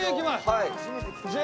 はい。